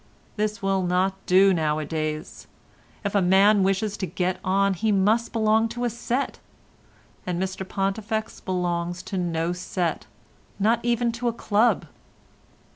This will not do nowadays. If a man wishes to get on he must belong to a set, and Mr Pontifex belongs to no set—not even to a club."